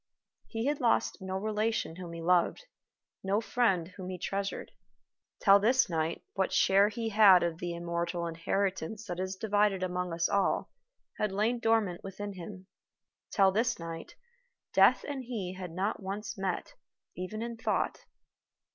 He had lost no relation whom he loved, no friend whom he treasured. Till this night, what share he had of the immortal inheritance that is divided among us all had lain dormant within him. Till this night, Death and he had not once met, even in thought.